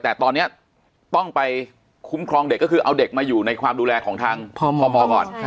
แต่ตอนนี้ต้องไปคุ้มครองเด็กก็คือเอาเด็กมาอยู่ในความดูแลของทางพมก่อน